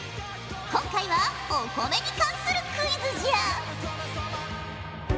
今回はお米に関するクイズじゃ！